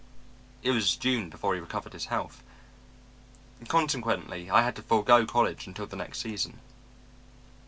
It was June before he recovered his health. Consequently I had to forego college until the next season.